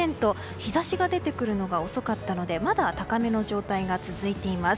日差しが出てくるのが遅かったのでまだ高めの状態が続いています。